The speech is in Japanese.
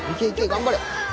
頑張れ！